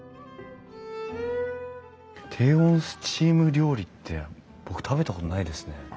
低温スチーム料理って僕食べたことないですね。